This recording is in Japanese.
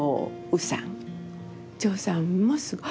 張栩さんもすごい。